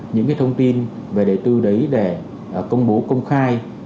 những cái thông tin về đầy tư đấy để công bố công khai